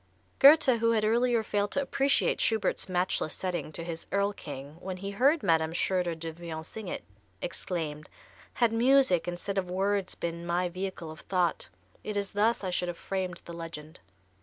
Goethe, who had earlier failed to appreciate Schubert's matchless setting to his "Erl King," when he heard Madame Schröder Devrient sing it, exclaimed: "Had music instead of words been my vehicle of thought, it is thus I should have framed the legend."